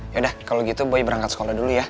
yaudah kalau gitu boy berangkat sekolah dulu ya